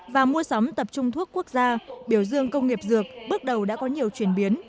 và mua sắm tập trung thuốc quốc gia biểu dương công nghiệp dược bước đầu đã có nhiều chuyển biến